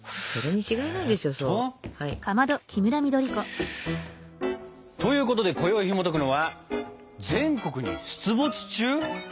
それに違いないでしょうよ。ということで今宵ひもとくのは「全国に出没中！？